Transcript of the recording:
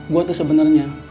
gue tuh sebenernya